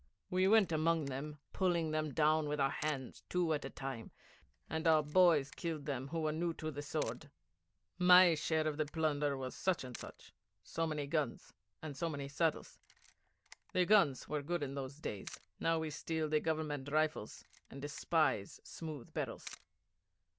We went among them, pulling them down with our hands two at a time, and our boys killed them who were new to the sword. My share of the plunder was such and such so many guns, and so many saddles. The guns were good in those days. Now we steal the Government rifles, and despise smooth barrels.